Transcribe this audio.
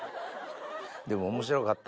でも面白かった。